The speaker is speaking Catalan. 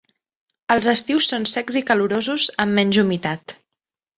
Els estius són secs i calorosos amb menys humitat.